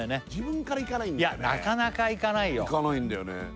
なかなか行かないよ行かないんだよね